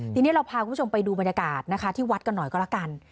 ทีนี้เราพาคุณผู้ชมไปดูบรรยากาศนะคะที่วัดกันหน่อยก็แล้วกัน